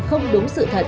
không đúng sự thật